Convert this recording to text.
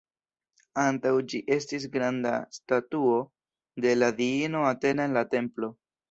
Antaŭ ĝi estis granda statuo de la diino Atena en la templo.